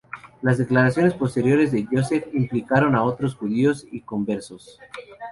Las declaraciones posteriores de Yosef implicaron a otros judíos y conversos.